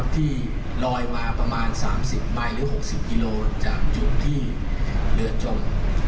ที่ลอยมาประมาณ๓๐ใบหรือ๖๐กิโลจากจุดที่เรือจม